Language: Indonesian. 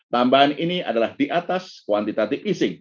tambahan ini adalah di atas kuantitative easing